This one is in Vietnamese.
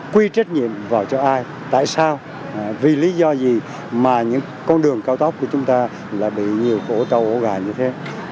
quy trách nhiệm vào cho ai tại sao vì lý do gì mà những con đường cao tốc của chúng ta là bị nhiều cổ tàu gà như thế